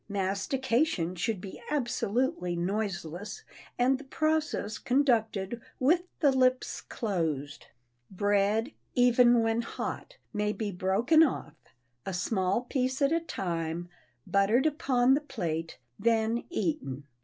Mastication should be absolutely noiseless, and the process conducted with the lips closed. Bread, even when hot, may be broken off, a small piece at a time, buttered upon the plate, then eaten.